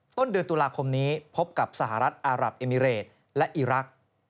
ต้นเดือนตุลาคมนี้พบกับสหรัฐอารับเอมิเรตและอีรักษ์